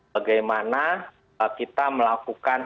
bagaimana kita melakukan